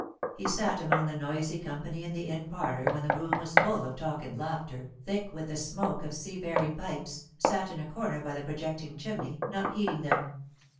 He sat among the noisy company in the Inn parlour when the room was full of talk and laughter, thick with the smoke of seafaring pipes, sat in a corner by the projecting chimney, not heeding them.